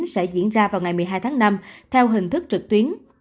sẽ diễn ra vào ngày một mươi hai tháng năm theo hình thức trực tuyến